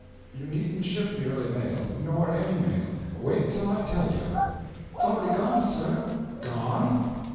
"You needn't ship the early mail nor ANY mail; wait till I tell you." "It's already gone, sir." "GONE?"